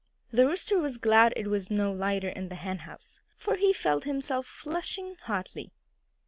The Rooster was glad it was not lighter in the henhouse, for he felt himself flushing hotly.